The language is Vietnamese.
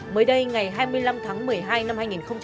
mới đây ngày hai mươi năm tháng một mươi hai năm hai nghìn hai mươi